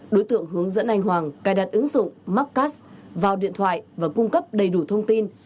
đối tượng hướng dẫn anh hoàng cài đặt ứng dụng marccast vào điện thoại và cung cấp đầy đủ thông tin